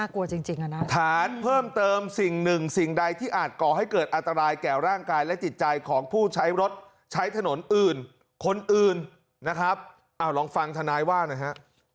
คนอื่นคนอื่นนะครับอ้าวลองฟังท่านายว่านะฮะ